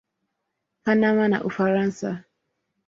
Panama na Ufaransa.